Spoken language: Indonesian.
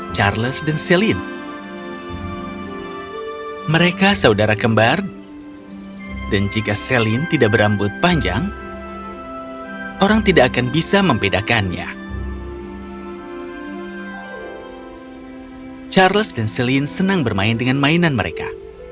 charles dan celine senang bermain dengan mainan mereka